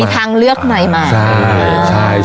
อ๋อมีทางเลือกใหม่